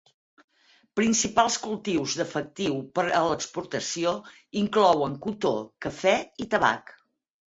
Principals cultius d'efectiu per a l'exportació inclouen cotó, cafè i tabac.